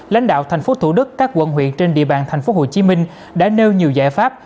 lãnh đạo thành phố thủ đức các quận huyện trên địa bàn thành phố hồ chí minh đã nêu nhiều giải pháp